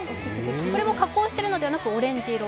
これも加工しているのではなくオレンジ色。